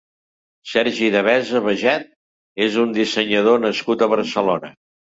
Sergi Devesa Bajet és un dissenyador nascut a Barcelona.